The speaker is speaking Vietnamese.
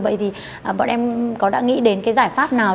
vậy thì bọn em có đã nghĩ đến cái giải pháp nào